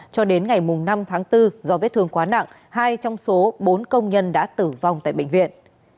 cho đến ngày năm tháng bốn do vết thương quá nặng hai trong số bốn công nhân đã tử vong tại bệnh viện